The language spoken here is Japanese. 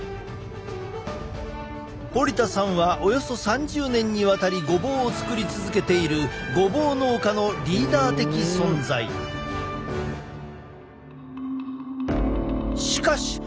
堀田さんはおよそ３０年にわたりごぼうを作り続けているごぼう農家のリーダー的存在！しかし案内してくれたのは